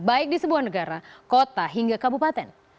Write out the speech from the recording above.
baik di sebuah negara kota hingga kabupaten